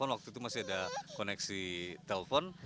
waktu itu masih ada koneksi telpon